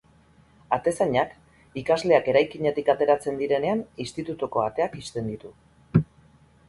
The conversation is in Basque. Atezainak ikasleak eraikinetik ateratzen direnean institutuko ateak ixten ditu.